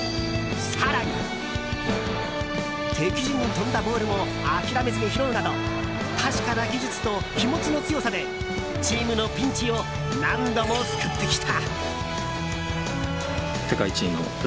更に、敵陣に飛んだボールも諦めずに拾うなど確かな技術と気持ちの強さでチームのピンチを何度も救ってきた。